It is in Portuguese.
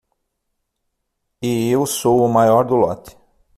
E eu sou o maior do lote.